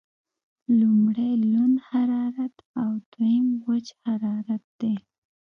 لمړی لوند حرارت او دویم وچ حرارت دی.